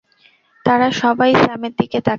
তারা সবাই স্যামের দিকে তাকাচ্ছে।